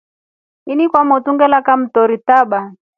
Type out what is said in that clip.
Ini kwa motru ngela kamtori taba.